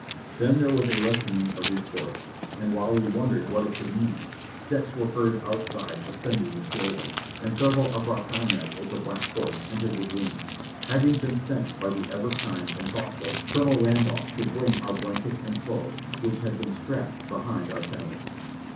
Then there was a lessening of reports, and while we wondered what it could mean, steps were heard outside ascend ing the stairway, and several of our comrades of the Black Horse entered the room, having been sent by the ever kind and thought ful Colonel Randolph to bring our blankets and clothes, which had been strapped behind our saddles.